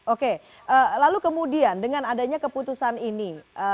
oke lalu kemudian dengan adanya keputusan ini